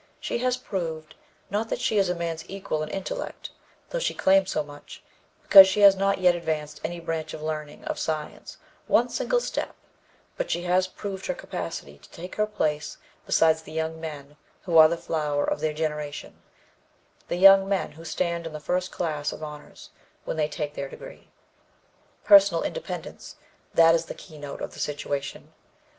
She has proved, not that she is a man's equal in intellect, though she claims so much, because she has not yet advanced any branch of learning, of science, one single step, but she has proved her capacity to take her place beside the young men who are the flower of their generation the young men who stand in the first class of honors when they take their degree.... "Personal independence that is the keynote of the situation.